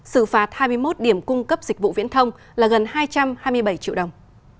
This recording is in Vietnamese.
xử phạt hai mươi một điểm cung cấp dịch vụ viễn thông là gần hai trăm hai mươi bảy triệu đồng